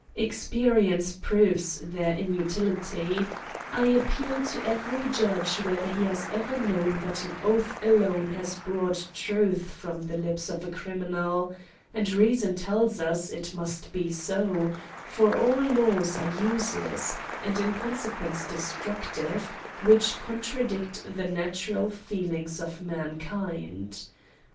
Experience proves their inutility : I ap peal to every judge, whether he has ever known that an oath alone has brought truth from the lips of a criminal ; and reason tells us, it must be so ; for all laws are useless, and in consequence de structive, which contradict the natural feelings of mankind.